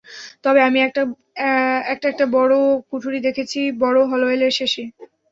তবে আমি একটা একটা বড় কুঠুরি দেখেছি, বড় হলওয়ের শেষে।